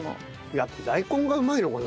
やっぱ大根がうまいのかな。